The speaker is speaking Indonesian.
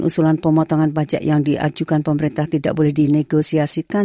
usulan pemotongan pajak yang diajukan pemerintah tidak boleh dinegosiasikan